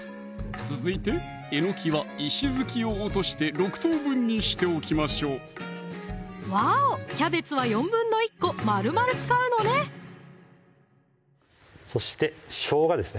続いてえのきは石突きを落として６等分にしておきましょうワオキャベツは１／４個まるまる使うのねそしてしょうがですね